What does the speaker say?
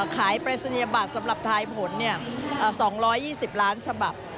ปรายศนียบัตรสำหรับทายผล๒๒๐ล้านฉบับ